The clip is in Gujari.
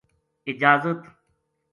اجازت